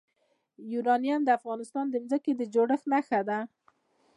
یورانیم د افغانستان د ځمکې د جوړښت نښه ده.